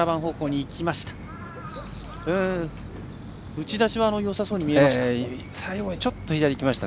打ち出しはよさそうに見えてました。